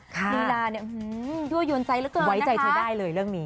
นิราเนี่ยด้วยยนต์ใจเหลือเกินนะคะ